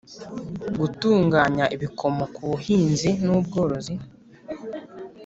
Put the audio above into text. Gutunganya ibikomoka ku buhinzi n ubworozi